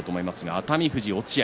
熱海富士と落合。